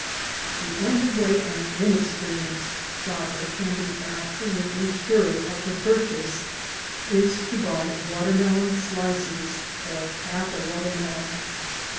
The only way an inexperienced shopper can be absolutely sure of her purchase is to buy watermelon slices or half a watermelon.